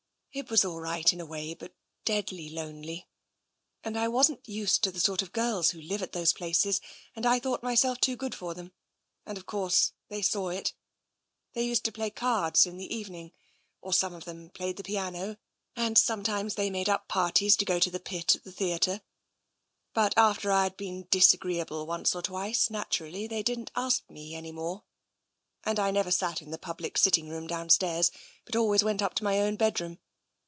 It was all right in a way, but deadly lonely. And I wasn't used to the sort of girls who live at those places, and I thought myself too good for them — and of course they saw it. They used to play cards in the evening, or some of them played the piano, and sometimes they made up parties to go to the pit at the theatre — but after Td been disagreeable once or twice, naturally they didn't ask me any more. And I never sat in the public sitting room downstairs, but always went up to my own bedroom.